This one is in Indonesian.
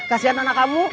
kasian anak kamu